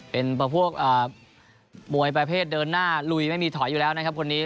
เป็นพวกมวยประเภทเดินหน้าลุยไม่มีถอยอยู่แล้วนะครับคนนี้